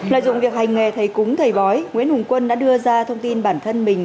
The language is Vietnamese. lợi dụng việc hành nghề thầy cúng thầy bói nguyễn hùng quân đã đưa ra thông tin bản thân mình